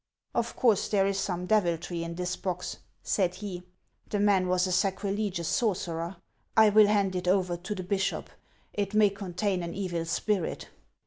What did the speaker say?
" Of course there is some deviltry in this box," said lie ;" the man was a sacrilegious sorcerer. I will hand it over to the bishop ; it may contain an evil spirit."